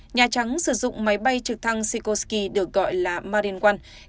nhà trắng sử dụng máy bay trực thăng sikorsky được gọi là marine one